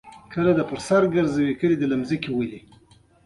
بانډا ټاپوګانو یو غیر متمرکز جوړښت درلود.